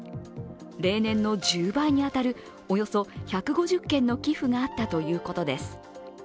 例年の１０倍に当たるおよそ１５０件の寄付があったということです。